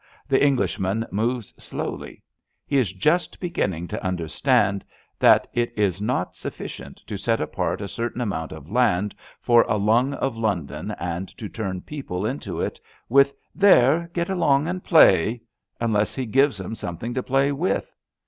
The Englishman moves slowly. He is just beginning to understand that it is not sufficient to set apart a certain amount of land for a lung of London and to turn people into it with There, get along and play/' unless he gives 'em some thing to play with.